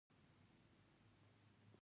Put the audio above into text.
د شنه اسمان پر دړه وکرله